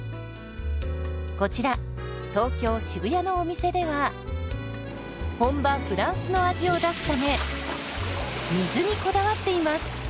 こちら東京・渋谷のお店では本場フランスの味を出すため水にこだわっています。